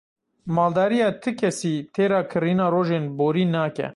Maldariya ti kesî têra kirîna rojên borî nake.